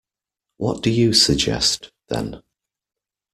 What do you suggest, then?